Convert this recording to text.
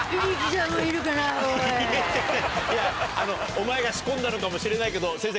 お前が仕込んだのかもしれないけど先生。